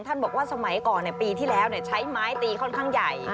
บอกว่าสมัยก่อนปีที่แล้วใช้ไม้ตีค่อนข้างใหญ่